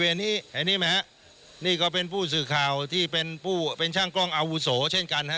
บริเวณนี้เห็นมั้ยฮะนี่ก็เป็นผู้สื่อข่าวที่เป็นช่างกล้องอาวุโสเช่นกันฮะ